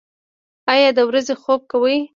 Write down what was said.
ایا د ورځې خوب کوئ؟